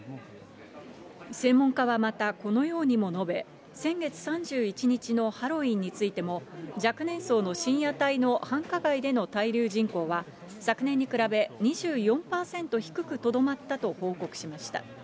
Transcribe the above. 専門家はまた、このようにも述べ、先月３１日のハロウィーンについても、若年層の深夜帯の繁華街での滞留人口は、昨年に比べ２４％低くとどまったと報告しました。